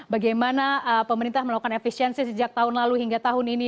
bagaimana pemerintah melakukan efisiensi sejak tahun lalu hingga tahun ini